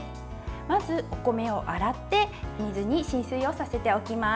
まず、お米を洗って水に浸水をさせておきます。